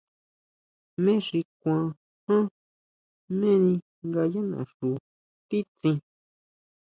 ¿Jmé xi kuan ján, jméni nga yá naxu titsín?